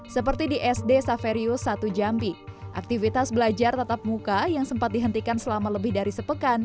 seperti di sd saverio satu jambi aktivitas belajar tatap muka yang sempat dihentikan selama lebih dari sepekan